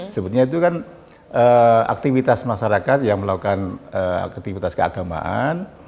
sebetulnya itu kan aktivitas masyarakat yang melakukan aktivitas keagamaan